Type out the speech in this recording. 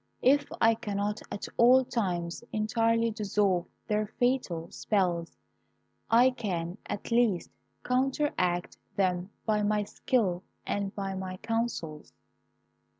If I cannot at all times entirely dissolve their fatal spells, I can at least counteract them by my skill and by my counsels.